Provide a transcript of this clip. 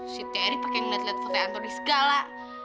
si terry pake yang lihat lihat kata antri segala